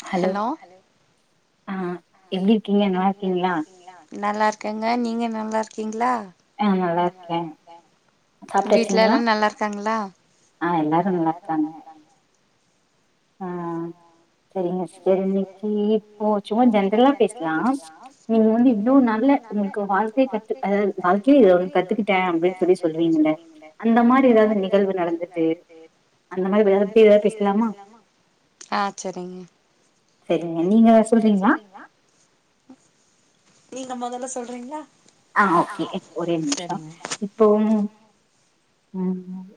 ட்ஷா hello எப்டி இருக்கீங்க நல்லா இருக்கீங்களா நல்லாருக்கேங்க நீங்க நல்லாருக்கீங்களா ஆ நல்லா இருக்கே சாப்ட்டாச்சிங்களா ஆ எல்லாரு நல்லார்க்காங்க ஆ சரிங்க சிஸ்டர் இன்னிக்கி இப்போ சும்மா ஜென்ரலா பேஸ்லா நீங்க வந்து இவ்ளோ நல்ல உங்களுக்கு வாழ்க்கை கத்து அதாவது வாழ்கைல இது வந்து கத்துக்கிட்டே அப்டின்னு சொல்லி சொல்லுவீங்கல்ல அந்த மாரி எதாவது நிகழ்வு நடந்துட்டு அந்த மாரி வேற பே பேஸ்லாமா ஆ சரிங்க சரிங்க நீங்க சொல்றீங்களா நீங்க மொதல்ல சொல்றீங்களா ஆ ஓகே ஒரே நிமிஷோ இப்போ ம்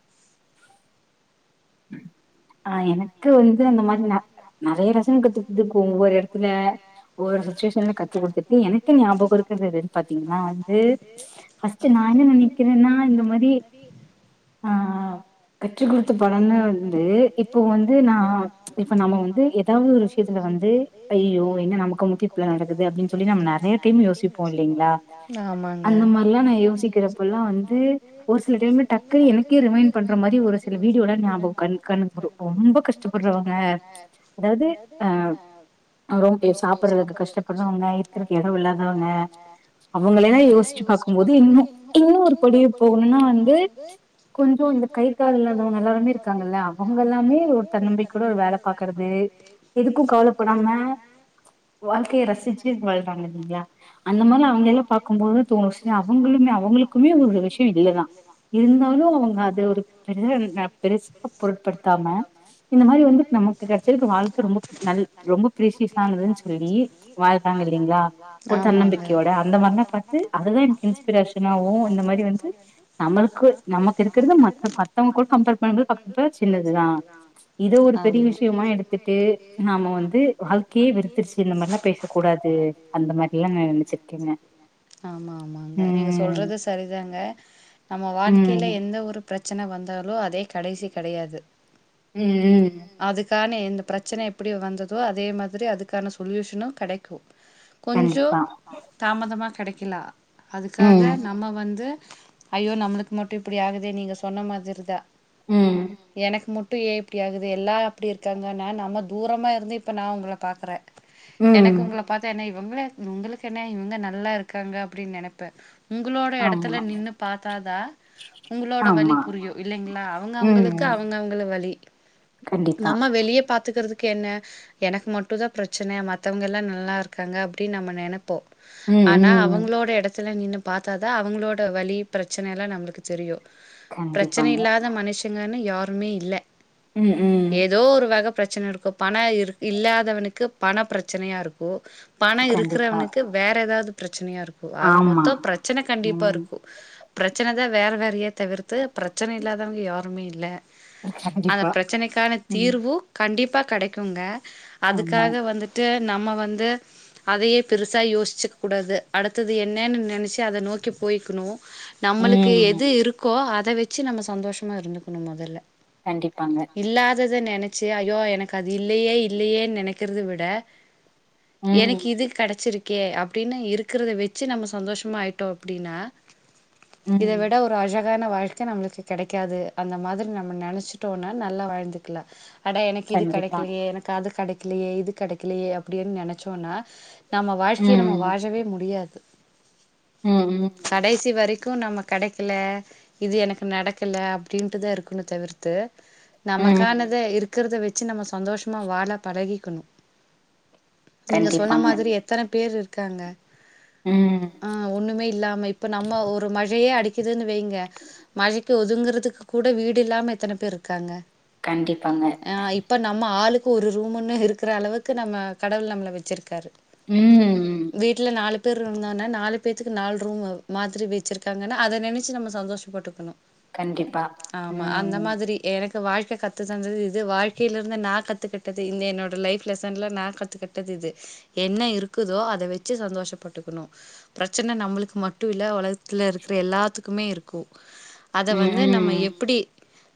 ஆ எனக்கு வந்து அந்த மாரி ந நறைய லெஸன் கத்துகுடுத்துக்கும் ஒவ்வொரு எடத்துல ஒவ்வொரு சுச்சுவேஷன்ல கத்து குடுத்துட்டு எனக்கு ஞாபகம் இருக்கிறது எதுன்னு பாத்தீங்கன்னா வந்து் நா என்ன நெனைக்கிறேன்னா இந்த மாரி ஆ கற்று குடுத்து பழ குனா வந்து இப்ப வந்து நா ஆ இப்ப நம்ம வந்து ஏதாவது ஒரு விஷயத்துல வந்து ஐயயோ என்ன நமக்கு முக்கிய ஆமாங்க யோசிக்கிறப்பெல்லா வந்து ஒரு சில டைம்ல டக்கு எனக்கே ரிமைண்ட் பண்ற மாதிரி ஒரு சில வீடி யோல்லா ஞாபகோ கண் கண் குடுக்கும் ரொம்ப ரொம்ப கஷ்டப்படுறவாங்க அதாவது ஆ எவ்ளோபேர் சாப்பிடடுறதுக்கு கஷ்டப்படுறவங்க இருக்குறதற்கு எடோ இல்லாதவங்க அவங்களல்லா யோசிச்சு பாக்கும்போது இன்னு இன்னு ஒரு பொடிய போகணும்ன்னா வந்து கொஞ்சோ இந்த கை கால் இல்லாதவங்க அல்ல வந்து இருக்காங்கல்ல அவங்கல்லாமே ஒர் தன்னம்பிக்கவுட ஒரு வேல பாக்குறது எதுக்கு கவலப்படாம வாழ்க்கைய ரசிச்சு வாழ்றாங்க இல்லைங்களா அந்த மாரி அவங்க எல்லா பாக்கும்போது தோணு செரி அவங்களுமே அவங்குளுக் குமிய ஒரு விஷயோ இதுலதா இருந்தாலு அவங்க அத ஒரு பெருசன் நா பெருசா பொருட்படுத்தாம இந்த மாதிரி வந்து நமக்கு கெடச்சுருக்குற வாழ்க்க ரொம்ப நல் ரொம்ப பிரீசியஸ் ஆனதுன்னு சொல்லி வாழ்றாங்க இல்லலைங்களா ஒரு தன்னம்பிக்கையோட அந்த மாதிரிலா பாத்து அதுதா எனக்கு இன்ஸ்பிரேஷன் நா வூ இந்த மாதிரி வந்து நம்மளுக்கு நமக்கு இருக்கறத மத்த மத்தவங்க கூட கம்பேர் பண்றது தப்பு சின்னதுதா இது ஒரு பெரிய விஷயமா எடுத்துட்டு நாம வந்து வாழ்க்கையே வெருத்தடுச்சு இந்த மாரிலா பேச கூடாது ஆமா ஆமாங்க நீங்க சொல்றது செரிதாங்க நம்ம வாழ்க்கையில எந்த ஒரு பிரச்சன வந்தாலு அதே கடைசி கெடையாது ம் ம் அதுக்கான இந்த பிரச்சன எப்டி வந்ததோ அதே மாதிரி அதுக்கான சொல்யூஷனு கெடைக்கு கொஞ்சோ தாமதமா கெடைக்கலா அதுக்காக நம்ம வந்து ஐயோ நம்ளுக் மட்டு இப்டி ஆகுதே நீங்க சொன்ன மாதிரிதா ம் எனக்கு மட்டு ஏ இப்டி ஆகுது எல்லா அப்டி இருக்காங்கன்னா நம்ம தூரமா இருந்து இப்போ நா உங்கள பாக்குறே எனக்கு உங்களப் பாத்தா என்னா இவங்கள இவங்களுக்கு என்ன இவங்க நல்லா இருக்காங்க அப்டின்னு நெனைப்பே உங்ளோட இடத்துல நின்னு பாத்தாதா உங்ளோட வழி புரியு இல்லைங்களா அவங்க அவங்களுக் கு அவங்க அவங்கள வலி நம்ம வெளியே பாத் துக்கறிறதுக்கு என்ன எனக்கு மட்டு தா பிரச்சன மத்தவங்க எல்லா நல்லா இருக்காங்க அப்டின்னு நம்ம நெனைப்போ ஆனா அவங்ளோட இடத்துல நின்னு பாத்தாதா அவங்ளோட வலி பிரச்சன எல்லா நம்ளுக்கு தெரியு பிரச்சன இல்லாத மனுஷங்கன்னு யாருமே இல்ல ம் ம் ஏதோ ஒரு வக பிரச்சன இருக்கு பண இரு இல்லாதவனுக்கு பண பிரச்சனையா இருக்கு பண இருக்கிறவனுக்கு வேற ஏதாவது பிரச்சனையா இருக்கு ஆக மொத்தோ பிரச்சன கண்டிப்பா இருக்கு பிரச்சனதா வேற வேறையே தவிர்த்து பிரச்சன இல்லாதவங்க யாருமே இல்ல அந்த பிரச்சனைக்கான தீர்வு கண்டிப்பா கெடைக்குங்க அதுக்காக வந்து ட்டு நம்ம வந்து அதையே பெருசா யோசிச்சுக்க கூடாது அடுத்தது என்னன்னு நெனைச்சு அத நோக்கி போய்க்கணு நம்மளுக்கு எது இருக்கோ அத வச்சு நம்ம சந்தோஷமாக இருந்துக்கணு மொதல்ல இல்லாதத நெனைச்சு ஐயோ எனக்கு அது இல்லையே இல்லையே நெனைக்கிறுது விட எனக்கு இது கெடச்சிருக்கே அப்டின்னு இருக்குறத வெச்சு நம்ம சந்தோஷமா ஆயிட்டோ அப்டின்னா இத விட ஒரு அழகான வாழ்க்க நம்மளுக்கு கெடைக்காது அந்த மாதி நம்ம நெனைச்சிட்டோனா நல்லா வாழ்ந்துக்கலா அடா எனக்கு இது கெடைக்கலையே எனக்கு அது கெடைக்கலையே இது கெடைக்கலையே அப்டின்னு நெனைச்சோனா நம்ம வாழ்க்கைய நம்ம வாழவே முடியாது ம் ம் கடைசி வரைக்கு நம்ம கெடைக்கல இது எனக்கு நடக்கல அப்டின்ட்டு தா இருக்குன்னு தவிர் த்து நமக்கானத இருக் க்குறத வெச்சு நம்ம சந்தோஷமா வாழ பழகிக்கணு நீங்க சொன்ன மாதிரி எ த்தன பேர் இருக்காங்க ஆ ஒண்ணுமே இல்லாம இப்ப நம்ம ஒரு மழையே அடிக்குதுன்னு வைங்க மழைக்கு ஒதுங்கறதுக்கு கூட வீடு இல்லாம எத்தன பேர் இருக்காங்க ஆ இப் ப நம்ம ஆளுக்கு ஒரு ரூமுன்னு இருக்குற அளவுக்கு நம்ம கடவுள் நம்மள வெச்சுருக்காரு ம் வீட்ல நாலு பேர் இருந்தாங்ன்னா நாலு பேத்துக்கு நால்ரூமு மாதிரி வெச்சுருக்காங்கன்னா அத நெனச்சு நம்ம சந்தோஷ் பட்டுக்கணு கண்டிப்பா ஆமா அந்த மாதிரி எனக்கு வாழ்க்க கத்து தந்தது இது வாழ்க்கையில இருந்து நா கத்துக்குட்டது இந்த என்னோட லைஃப் லெசன்ல நா கத்துக்குட் டது இது என்ன இருக்குதோ அத வெச்சு சந்தோஷப்பட்டுக்கணு பிரச்சன நம்மளுக்கு மட்டு இல்ல உலகத்துல இருக்குற எல்லாத்துக்குமே இருக்கு அத வந்து நம்ம எப்டி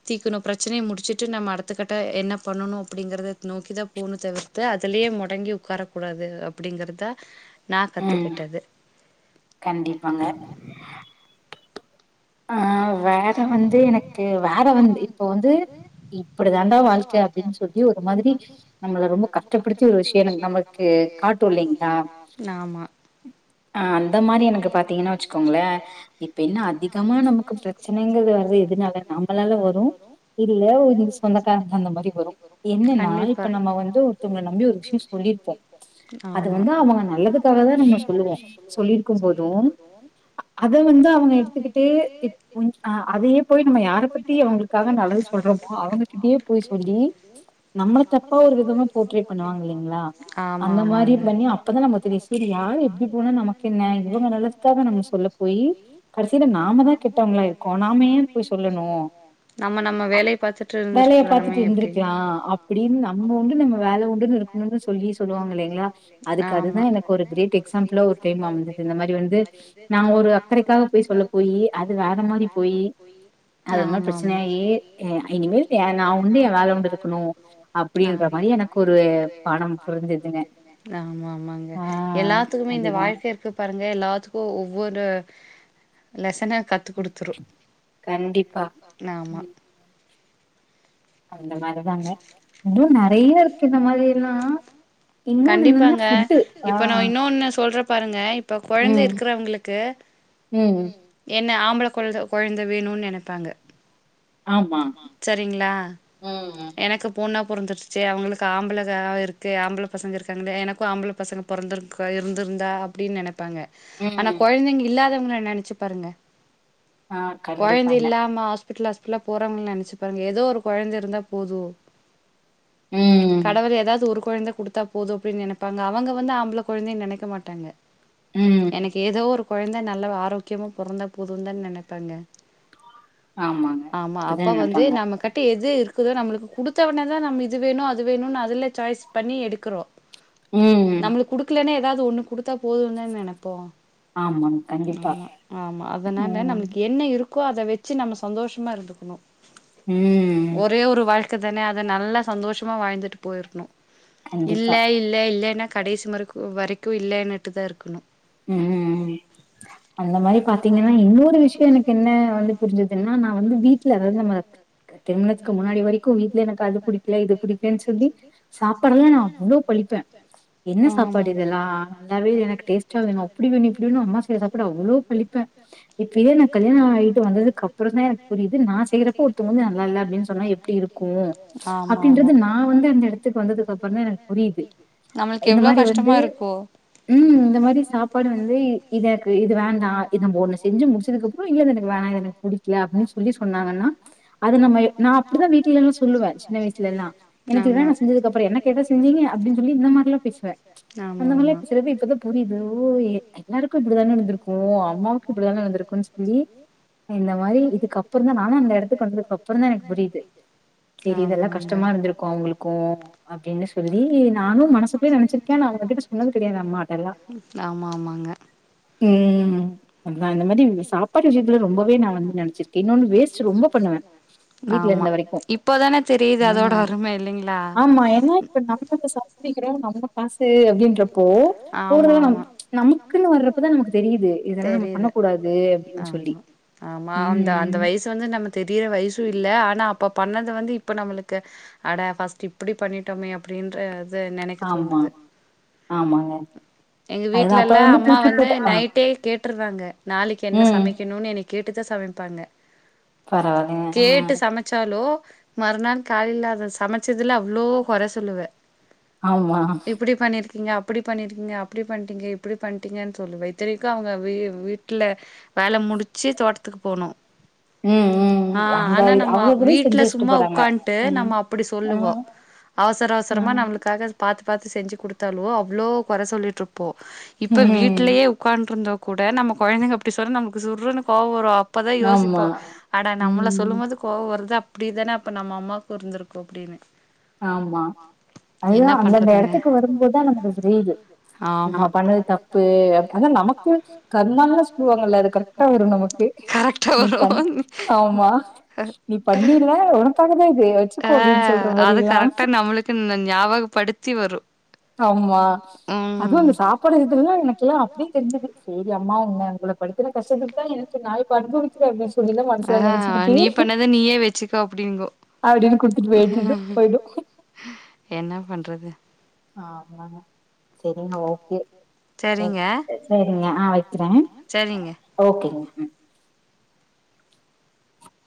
தீக்கணு பிரச்சனைய முடிச்சுட்டு நம்ம அடுத்தக்கட்ட என்ன பண்ணணு அப்டிங்கறத நோக்கிதா போணு தவிர் த்து அதுலேயே மொடங்கி உக்கார கூடாது அப்டிங்கறதா நா கத்துக்கிட்டது கண்டிப்பாங்க ஆ வேற வந்து எனக்கு வேற வந்து இப்போ வந்து இப்டிதாண்டா வாழ்க்க அப்டின்னு சொல்லி ஒரு மாதிரி நம்மள ரொம்ப கஷ்டப்படுத்தி ஒரு விஷயோ நம்ம ஆமா அ அந்த மாரி எனக்கு பாத்தீங்கன்னா வெச்சுக்கோங்களே இப்ப இன்னு அதிகமா நமக்கு பிர ச்சனங்கறது வந்து எதுனால நம்பளால வரு இல்ல ஒதி சொந்தக்காரங்க அந்த மாரி வரு என்னன்னா இப்ப நம்ம வந்து ஒருத்தவங்கள நம்பி ஒரு விஷயோ சொல்லிருப்போ ஆமா அத வந்து அவங்க எடுத்துக்கிட்டு இப்ப அ அதையே போய் நம்ம யார பத்தி அவங்களுக்காக நல்லது சொல்றோமோ அவங்ககிட்டயே போய் சொல்லி நம்மள தப்பா ஒரு விதமா போட்ரேட் பண்ணுவாங்க இல்லைங்களா அந்ந மாரி பண்ணி அப்பதா நமக்கு இது ச் சேரி யாரு எப்டி போனா நமக்கு என்ன இவங்க நல்லதுக்காக நம்ம சொல்ல போயி ட்டு நாம தா கேட்டவங்களா இரு க்கோ நாம ஏ போய் சொல்லணு அ வேலைய பாத்துட்டு இருந்திருக்குலா அப் டின்னு நம்ப உண்டு நம்ப வேல உண்டுன்னு இருக்குணுனு சொல்லி சொல்லுவாங்க இல்லைங்களா அதுக்கு அதுதா எனக்கு ஒரு க்ரேட் எக்ஸ் ஸாம்பிளா ஒரு டைம் வந்தது இந்த மாரி வந்து நா ஒரு அக்கறைக்காக போயி சொல்ல போயி அது வேற மாறி போயி அது ஒரு மா பிரச்சன ஆயி ஆ இனிமேல் நா உண்டு எ வேல உண்டு இருக்கணு அப்டின்ற மாரி எனக்கு ஒரு பாடம் புரிஞ்சதுங்க ஆ த்துமே இந்த வாழ்க்க இருக்க பாருங்க எல்லாத்துக்கு ஒவ்வொரு லெசன கத்து குடுத் கண்டிப்பா ம் அந்த மாரிதாங்க இன்னு நறைய இருக்கு இந்த மாரி எல்லா கண்டிப்பாங்க இப்ப நா இன்னொன்னு சொல்ற பாருங்க இப் ப கொழந்த இருக்குறவங்களுக்கு என்ன ஆம்பள கொழந்த கொழந்த வேணுன்னு நெனப்பாங்க சரிங்களா ம் ம் எனக்கு பொண்ணா பொறந்துடுச்சே அவுங்களுக்கு ஆம்பள தா இருக்கு ஆம்பள பசங்க இருக்காங்களே எனக்கு ஆம்பள பசங்க பொறந்தருக்கு இருந்திருந்தா அப்டின்னு நெனப்பாங்க ஆனா கொழந்தைங்க இல்லாதவங்கள நெனச்சு பாருங்க கொழந்த இல்லாம ஹாஸ் பிடல் ஹாஸ்பிடலா போறவங்கள நெனச்சு பாருங்க ஏதோ ஒரு கொழந்த இருந்தா போது ஆ கடவுள் எதாது ஒரு கொழந்த குடுத்தா போது அப்பினு நெனப்பாங்க அவுங்க வந்து ஆம்பள கொழந்தை நெனைக்க மாட்டாங்க எனக்கு எதோ ஒரு கொழந்த நல்ல ஆரோக்கியமா பொறந்தா போதும்தான நெனைப்பாங்க ஆமா அப்ப வந்து நம்மகட்ட எது இருக் குது நம்மளுக்கு குடுத்தவோனேதா நம்ம இது வேணு அது வேணுன் அதுல சாய்ஸ் பண்ணி எடுக்குறோ ம் நம்ளுக் குடுக்கலன்னா எதாது ஒன்னு குடுத்தா போதுன் தானா நெனப்போ ஆமா ஆமா அதனால நம்ளுக்கு என்ன இருக் கோ அத வெச்சு நம்ம சந்தோஷமா இருந்துக்கணு ம் ஒரே ஒரு வாழ்க்கதான அத நல்ல சந்தோஷமா வாழ்ந்துட்டு போய்ர்ணு இல்ல இல் ல இல்லனா கடைசி மரைக்கு வரிக்கு இல்லன்னுட்டுதா இருக்கணு ம் அந்தமாரி பாத்தீங்கன்னா இன்னொரு விஷ்யோ எனக் என்ன வந்து புரிஞ்சதுன்னா நா வந்து வீட்ல அதாவ்து நம்ம திருமணத்துக்கு முன்னாடி வரிக் க்கு வீட்ல எனக்கு அது புடிக்கல இது புடிக்கலன் சொல்லி சாப்பாடல்லா நா அவ்ளோ பளிப்பே என்ன சாப்பாடு இதெல்லா நல்லாவே இல்ல எனக்கு டேஸ்ட்டா வே ணு அப்டி வேணு இப்டி வேனு அம்மா செய்ற சாபாட அவ்ளோ பளிப்பே இப்ப இதே நா கல்யணோ ஆய்ட்டு வந்ததுக் கப் அப்புறோதா எனக்கு புரிது நா செய்றப்போ ஒருத்தோங்க வந்து நல்லால்ல அப்டின் சொன்னா எப்புடி இருக்கு அப்டின்றது நா வந்து அந்த எடத்துக்கு வந்ததுக்கப்புறோதா எனக் புரிது நம்ளுக்கு எவ்ளோ கஷ்டமா இருக்கு ம் இந்தமாரி சாப்பாடு வந்து இ இதாருக்கு இது வேண்டா இத நம்ம ஒன்னு செஞ்சு முடிச்சதுக்கப்புறோ இல்ல இது எனக்கு வேணா இது எனக் புடி க்கல அப்டின் சொல்லி சொன்னாங்கனா அது நம்ம நா அப்டிதா வீட் கீலனு சொல்லுவே சின்ன வய்சுலலா எனக்கு இது வேணா செஞ்சதுக் அப்பறோ என்ன கேட்டா செஞ்சீங்க அப்டின் சொல்லி இந்தமாரில்லா பேசுவே அந்தமாரிலா இப்ப சிலது இப்பதா புரிது ஓ எ எல்லாருக்கு இப்டிதான இருந்திருக்கு அம்மாவுக்கு இப்டிதான இருந்திருக்குன் சொல்லி அ இந்தமாரி இதுக்கப்புறோதா நானு அந்த எடத்துக்கு வந்ததுக்கப்புறோதா எனக்கு புரிது சேரி இதெல்லாம் கஷ்டமா இருந்திருக்கு அவுங்களுக்கு அப்டினு சொல்லி நானு மனசுகுள்ளயே நெனச்சிருக்கே ஆனா அவுங்ககிட்ட சொன்னது கடையாது அம்மாட்டெல்லா ஆமா ஆமாங்க ம் அத்தா இந்தமாரி சாப்பாட்டு விஷயத்துல ரொம்பவே நா வந்து நெனச்சிருக்கே இன்னொன்னு வேஸ்ட் ரொம்ப பண்ணுவே வீட்ல இருந்த வரிக்கு இப்பதான தெரிது அதோட அருமை இல்லைங்ளா இப்ப நம்ம இத சம்பாதிக்கிறோ நம்ம காசு அப்டின்றப்போ போட்றதலா நம் நமக்குனு வர்றப்பதா நமக்கு தெரிது தெரிது பண்ண கூடாது ஆமா ஆமா அந்த அந்த வய்சு சு வந்து நம்ம தெரியிற வய்சு இல்ல ஆனா அப்ப பண்ணது வந்து இப்ப நம்முளுக்கு அட ஃபஸ்ட்டு இப்புடி பண்ணிட்டோமே அப்டின்ற இது நெனைக்க தோணுது ஆமாங்க எங்க வீட்லலா அம்மா வந்து நைட்டே கேட்டுற்றாங்க நாளைக்கு என்ன சமைக்கணுனு இன்னிக் கேட்டுதா சமைப்பாங்க கேட்டு சமை ச்சாலோ மறுநாள் காலைல அத சமைச்சதுல அவ்ளோ கொற சொல்லுவே ஆமா இப்புடி பண்ணியிருக்கீங்க அப்புடி பண்ணியிருக்கீங்க அப்டி பண்ட்டீங்க இப்டி பண்ட்டிங்கன் சொல்லுவே இத்தனைக்கு அவுங்க வீ வீட்டுல வேல முடிச்சு தோட்டத்துக்கு போனு ஆ ஆனா நம்ம வீட்ல சும்மா உக்கான்ட்டு நம்ம அப்புடி சொல்லுவோ அவசர அவசரமா நம்ளுக்காக பாத்து பாத்து செஞ்சு குடுத்தாலோ அவ்ளோ கொற சொல்லிட்டு இருப்போ இப்ப வீட்லயே உக்காண்ட்டு இருந்தா கூட நம்ம கொழந்தைங்க அப்டி சொன்னா நமக்கு சுர்றுனு கோவ வரு அப்பதா யோசிப்போ அட நம்மள சொல்லுபோது கோவ வருது அப்டிதான அப்ப நம்ம அம்மாக்கு இருந்திருக்கு அப்டின்னு ஆமா அதுதா அந்தந்த இடத்துக்கு வரு இங்கதா நமக்கு [inaudible] புரியுது நம்ம பண்ணது தப்பு அதா நமக்கு கர்மான்னு சொல்லுவாங்கல்ல அது கரெக்டா வரு நமக்கு நீ பண் ஆமா நீ பண்ணிருவ உனக்காகதா இது வச்சுக்கோ அப்படின் சொல்றா அது கரெக்டா நம்மளுக்குன் ஞாபகப்படுத்தி வரு ஆமா அதுவு அந்த சாப்பாடு இதுலல்லா எனக்குலா அப்டியே தெரிஞ்சுது செரி எம்மா நா உங்களப்படுத் இத்தன கஷ்டத்துக்கு தா எனக்கு நாய் கொறஞ்சுருச்சு அப்டின் சொல்லிதா மனசுல நெனச்சுகிட்டு அத நீயே வச்சுக்கோ அப்டிங்கு அப்டின் குடுத்துட்டு பேய்ட்ச்சு போய்டு என்ன பண்றது ஆமாங்க சரிங்க ஓகே செரிங்க ஆ வக்கிற ஓகேங்க